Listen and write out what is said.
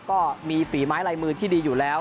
ก็มีฝีไม้ลายมือที่ดีอยู่แล้ว